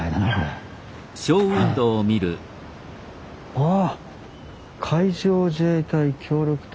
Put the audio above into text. わあ海上自衛隊協力店。